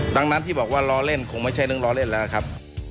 ดังนั้นที่บอกว่าล้อเล่นคงไม่ใช่เรื่องล้อเล่นแล้วครับ